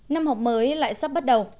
năm học mới lại sắp bắt đầu